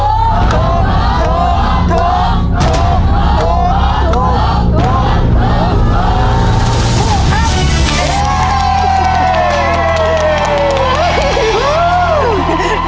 ถูกครับ